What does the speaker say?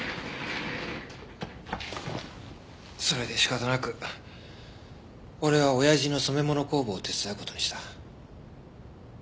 それで仕方なく俺は親父の染め物工房を手伝う事にした。